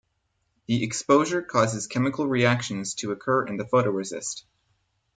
The exposure causes chemical reactions to occur in the photoresist.